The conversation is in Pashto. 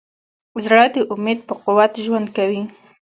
زړه د امید په قوت ژوند کوي.